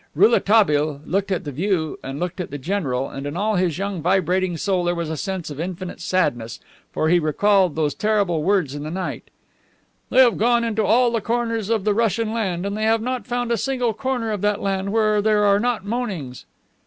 Rouletabille looked at the view and looked at the general, and in all his young vibrating soul there was a sense of infinite sadness, for he recalled those terrible words in the night: "They have gone into all the corners of the Russian land, and they have not found a single corner of that land where there are not moanings."